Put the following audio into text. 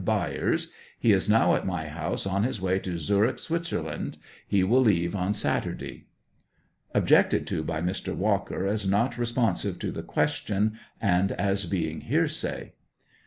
Byers ; he is now at my house on his way to Zurich, Switzerland ; he will leave on Saturday. [Objected to by Mr. Walker as not responsive to the question, and as being hearsay.